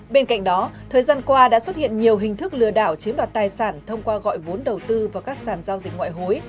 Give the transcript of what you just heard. bên cạnh đó thời gian qua đã xuất hiện nhiều hình thức lừa đảo chiếm đoạt tài sản thông qua gọi vốn đầu tư vào các sản giao dịch ngoại hối